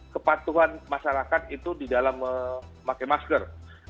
kepatuhan masyarakat itu di dalam memakai masker